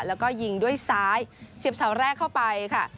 แล้วก็ยิงด้วยซ้ายเสียบเสาแรกเข้าไปค่ะ